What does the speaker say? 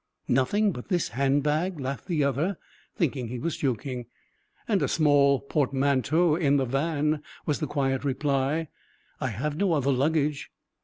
"Nothing but this hand bag?" laughed the other, thinking he was joking. "And a small portmanteau in the van," was the quiet reply. "I have no other luggage."